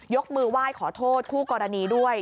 มือไหว้ขอโทษคู่กรณีด้วย